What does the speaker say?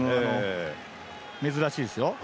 珍しいですよ。